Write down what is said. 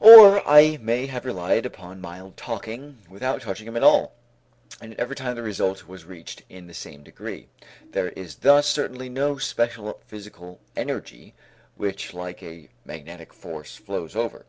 Or I may have relied upon mild talking without touching him at all; and yet every time the result was reached in the same degree. There is thus certainly no special physical energy which like a magnetic force flows over.